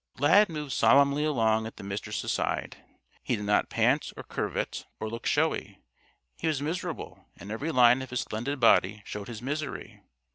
Lad moved solemnly along at the Mistress' side. He did not pant or curvet or look showy. He was miserable and every line of his splendid body showed his misery.